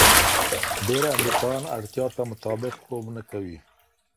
ډېر امریکایان اړتیا ته مطابق خوب نه کوي.